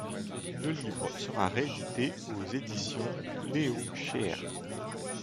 Le livre sera réédité aux Éditions Léo Scheer.